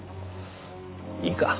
いいか。